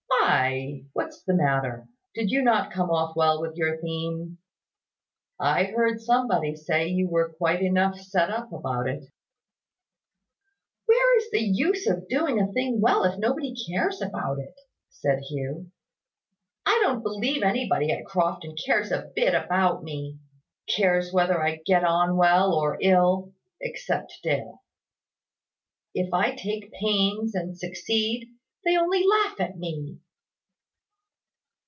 "Why, what's the matter? Did you not come off well with your theme? I heard somebody say you were quite enough set up about it." "Where is the use of doing a thing well, if nobody cares about it?" said Hugh. "I don't believe anybody at Crofton cares a bit about me cares whether I get on well or ill except Dale. If I take pains and succeed, they only laugh at me."